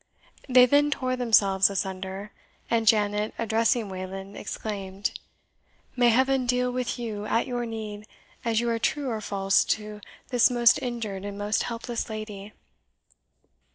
They then tore themselves asunder, and Janet, addressing Wayland, exclaimed, "May Heaven deal with you at your need, as you are true or false to this most injured and most helpless lady!"